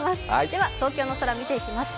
では、東京の空、見ていきます。